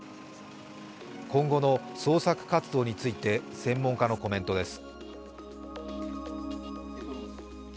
今後の捜索活動について専門家のコメントです。